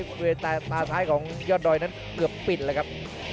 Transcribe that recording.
บริเวณตาซ้ายของยอดดอยนั้นเกือบปิดเลยครับ